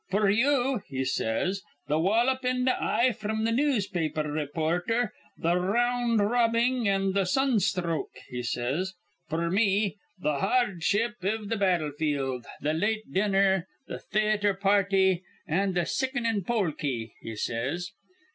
'F'r you,' he says, 'th' wallop in th' eye fr'm th' newspaper rayporther, th' r round robbing, an' th' sunsthroke,' he says, 'f'r me th' hardship iv th' battlefield, th' late dinner, th' theayter party, an' th' sickenin' polky,' he says.